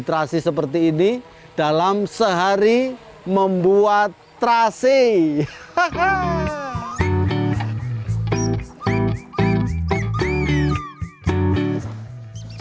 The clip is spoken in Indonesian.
terasi seperti ini dalam sehari membuat terasi hahaha